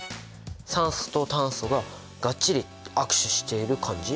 酸素と炭素ががっちり握手している感じ。